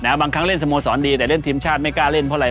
บางครั้งเล่นสโมสรดีแต่เล่นทีมชาติไม่กล้าเล่นเพราะอะไร